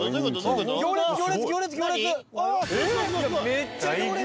めっちゃ行列。